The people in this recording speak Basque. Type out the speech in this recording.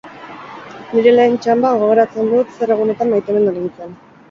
Nire lehen txanba, gogoratzen dut zer egunetan maitemindu nintzen.